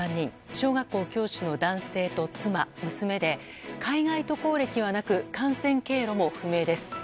小学校教師の男性と妻、娘で海外渡航歴はなく感染経路も不明です。